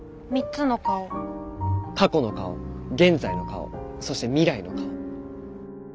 過去の顔現在の顔そして未来の顔。